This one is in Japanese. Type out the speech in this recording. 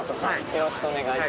よろしくお願いします。